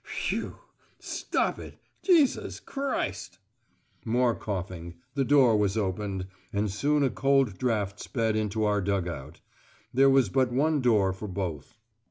"Phew! Stop it. Jesus Christ." More coughing, the door was opened, and soon a cold draught sped into our dug out. There was but one door for both.